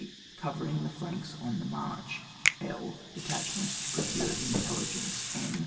cover ing the flanks on the march. L de tachments to procure intelligence, m.